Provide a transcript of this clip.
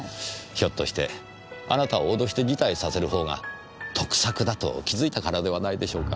ひょっとしてあなたを脅して辞退させるほうが得策だと気づいたからではないでしょうか。